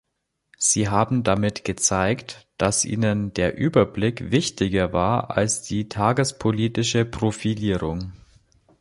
Sie haben damit gezeigt, dass Ihnen der Überblick wichtiger war als die tagespolitische Profilierung.